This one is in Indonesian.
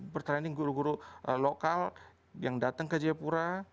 pertanding guru guru lokal yang datang ke jayapura